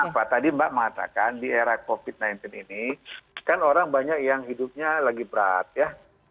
nah pak tadi mbak mengatakan di era covid sembilan belas ini kan orang banyak yang hidupnya lagi berat ya